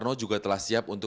masih bisa pas